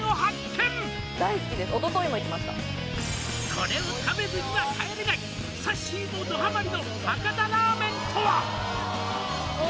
「これを食べずには帰れない」「さっしーもどハマりの博多ラーメンとは」